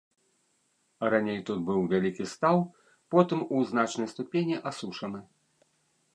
Раней тут быў вялікі стаў, потым у значнай ступені асушаны.